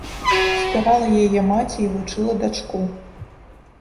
Спявала яе маці і вучыла дачку.